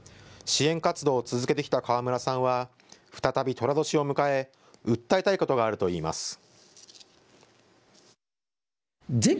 支援活動を続けてきた河村さんは再び、とら年を迎え訴えたいことがあるといいます。